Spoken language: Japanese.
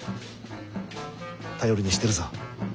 頼りにしてるぞ。